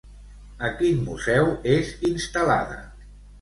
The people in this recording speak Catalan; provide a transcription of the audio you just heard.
A quin museu és instal·lada?